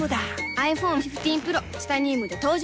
ｉＰｈｏｎｅ１５Ｐｒｏ チタニウムで登場